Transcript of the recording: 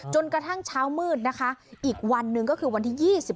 กระทั่งเช้ามืดนะคะอีกวันหนึ่งก็คือวันที่๒๓